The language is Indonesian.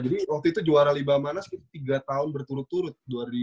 jadi waktu itu juara limanas kan tiga tahun berturut turut